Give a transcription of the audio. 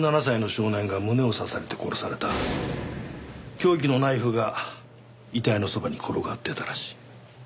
凶器のナイフが遺体のそばに転がってたらしい。